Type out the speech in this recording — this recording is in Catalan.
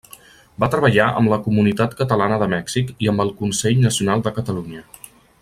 Va treballar amb la Comunitat Catalana de Mèxic i amb el Consell Nacional de Catalunya.